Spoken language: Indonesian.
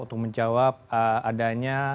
untuk menjawab adanya